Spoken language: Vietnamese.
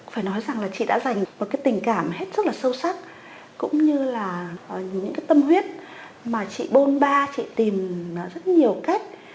phải nói rằng là chị đã dành một tình cảm rất sâu sắc cũng như là những tâm huyết mà chị bôn ba chị tìm rất nhiều cách